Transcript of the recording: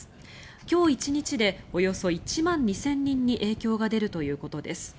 今日１日でおよそ１万２０００人に影響が出るということです。